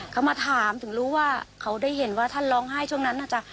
เขามาถามถึงรู้ว่าเขาได้เห็นว่าท่านร้องไห้ช่วงนั้นน่าจะ